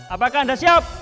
apakah anda siap